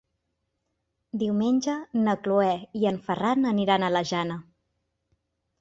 Diumenge na Cloè i en Ferran aniran a la Jana.